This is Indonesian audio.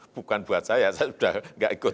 bukan buat saya saya sudah tidak ikut